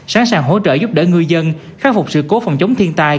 sẵn sàng hỗ trợ giúp đỡ ngư dân khắc phục sự cố phòng chống thiên tai